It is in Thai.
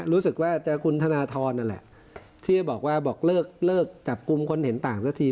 รู้สึกว่าจะคุณธนทรนั่นแหละที่จะบอกว่าบอกเลิกจับกลุ่มคนเห็นต่างสักที